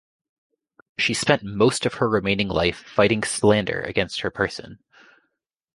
She spent most of her remaining life fighting slander against her person.